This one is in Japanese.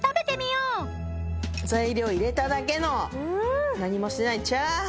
材料入れただけの何もしてないチャーハン。